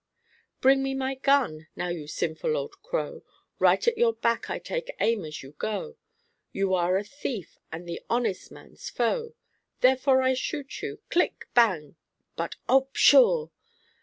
"Bring me my gun. Now you sinful old crow, Right at your back I take aim as you go. You are a thief and the honest man's foe! Therefore I shoot you." Click! Bang! but, oh pshaw!